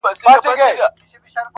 چي پر زړه مي د غمونو غوبل راسي؛